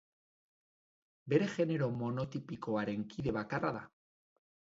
Bere genero monotipikoaren kide bakarra da.